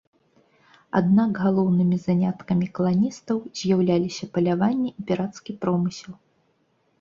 Аднак галоўнымі заняткамі каланістаў з'яўляліся паляванне і пірацкі промысел.